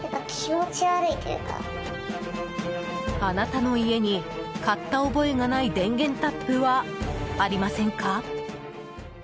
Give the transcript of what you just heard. あなたの家に買った覚えがない電源タップはありませんか？